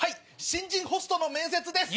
新人ホストの面接です。